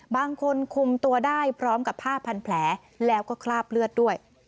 บางคนคุมตัวได้พร้อมกับผ้าพันแผลแล้วก็คราบเลือดด้วย